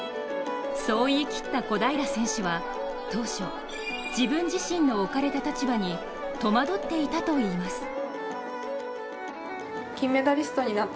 そう言い切った小平選手は当初、自分自身の置かれた立場に戸惑っていたといいます。